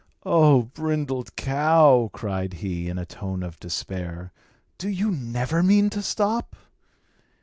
"O brindled cow," cried he, in a tone of despair, "do you never mean to stop?"